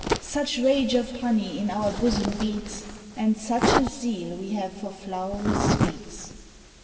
Such rage of honey in our bosom beats, And such a zeal we have for flowery sweets!